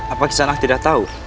apa kisanak tidak tahu